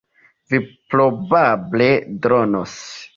Vi probable dronos.